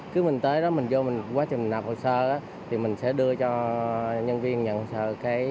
cứ mình tới đó mình vô quá trình mình đặt hồ sơ thì mình sẽ đưa cho nhân viên nhận hồ sơ cái mã hồ sơ mình khai báo